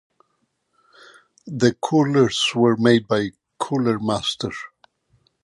The coolers were made by Cooler Master.